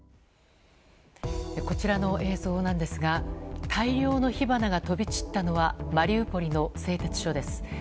こちらの映像ですが大量の火花が飛び散ったのはマリウポリの製鉄所です。